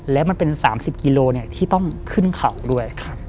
แล้วมันเป็น๓๐กิโลที่ต้องขึ้นเขาด้วย